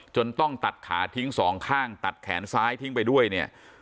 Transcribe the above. ต้องตัดขาทิ้งสองข้างตัดแขนซ้ายทิ้งไปด้วยเนี่ย